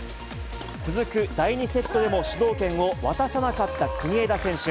続く第２セットでも、主導権を渡さなかった国枝選手。